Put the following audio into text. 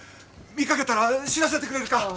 見かけたら知らせてくれるか。